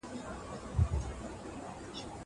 زه د کتابتون کتابونه لوستي دي.